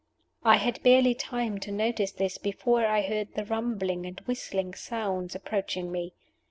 I had barely time to notice this before I heard the rumbling and whistling sounds approaching me.